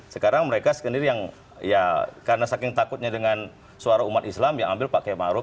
sekarang mereka sendiri yang ya karena saking takutnya dengan suara umat islam ya ambil pak kemaruk